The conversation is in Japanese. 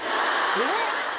えっ